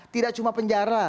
tidak cuma penjara